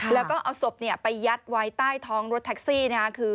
แล้วก็เอาศพไปยัดไว้ใต้ท้องรถแท็กซี่นะครับ